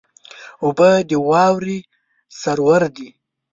اوبه د واورې سرور دي.